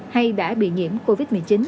hay đã bị nhiễm covid một mươi chín